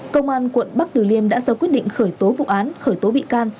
công an quận bắc tử liêm đã sau quyết định khởi tố vụ án khởi tố bị can